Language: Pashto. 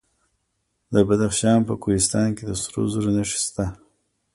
د بدخشان په کوهستان کې د سرو زرو نښې شته.